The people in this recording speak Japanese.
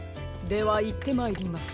ではいってまいります。